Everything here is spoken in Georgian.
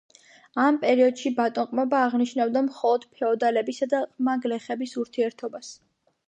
ამ პერიოდში ბატონყმობა აღნიშნავდა მხოლოდ ფეოდალებისა და ყმა გლეხების ურთიერთობას.